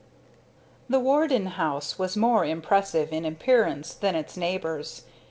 The Warden house was more impressive in appearance than its neighbors.